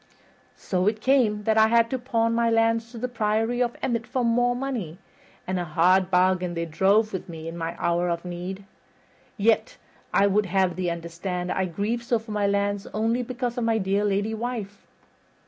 So it came that I had to pawn my lands to the Priory of Emmet for more money, and a hard bargain they drove with me in my hour of need. Yet I would have thee understand I grieve so for my lands only because of my dear lady wife."